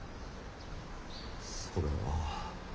それは。